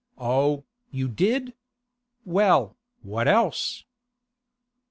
'Oh, you did! Well, what else?